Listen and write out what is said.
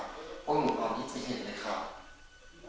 พวกหนูต้องก็จะเห็นเลยครับ